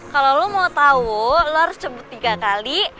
kalau lo mau tahu lo harus cebut tiga kali